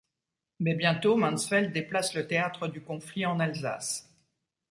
Mais bientôt Mansfeld déplace le théâtre du conflit en Alsace.